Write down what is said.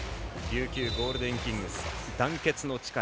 琉球ゴールデンキングス団結の力。